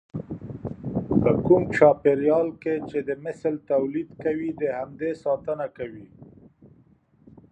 په کوم چاپېريال کې چې د مثل توليد کوي د همدې ساتنه کوي.